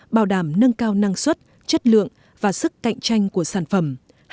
bảo đảm nâng cao năng suất chất lượng và sức cạnh tranh của sản phẩm